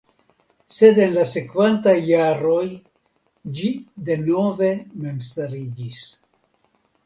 Sed en la sekvantaj jaroj ĝi denove memstariĝis.